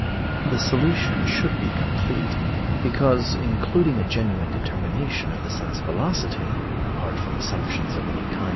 The solution should be complete, because including a genuine determination of the sun's velocity, apart from assumptions of any kind.